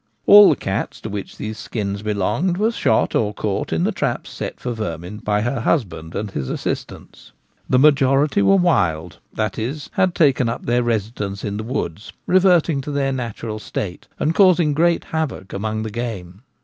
All the cats to which these skins belonged were shot or caught in the traps set for vermin by her husband and his assistants. The majority were wild —that is, had taken up their residence in the woods, reverting to their natural state, and causing great havoc among the game.